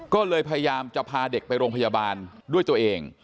ก็เลยพยายามจะพาเด็กไปโรงพยาบาลด้วยตัวเอง